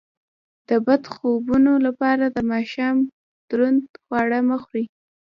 د بد خوبونو لپاره د ماښام دروند خواړه مه خورئ